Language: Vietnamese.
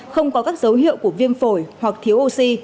không có các dấu hiệu của viêm phổi hoặc thiếu oxy